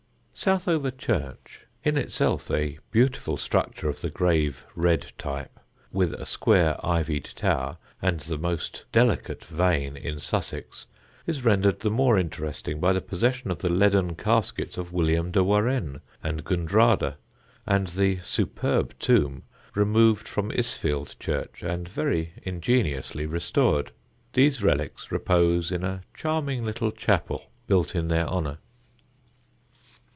Southover church, in itself a beautiful structure of the grave red type, with a square ivied tower and the most delicate vane in Sussex, is rendered the more interesting by the possession of the leaden caskets of William de Warenne and Gundrada and the superb tomb removed from Isfield church and very ingeniously restored. These relics repose in a charming little chapel built in their honour.